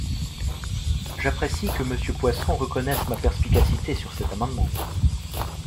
J’apprécie que Monsieur Poisson reconnaisse ma perspicacité sur cet amendement